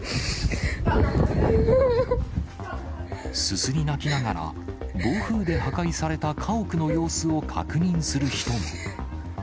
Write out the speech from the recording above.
すすり泣きながら、暴風で破壊された家屋の様子を確認する人も。